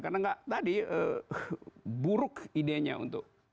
karena nggak tadi buruk idenya untuk